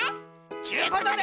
ちゅうことで。